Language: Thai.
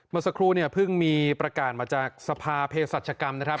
เมื่อสักครู่พึ่งมีประกาศมาจากสภาพเพศัตริยกรรมนะครับ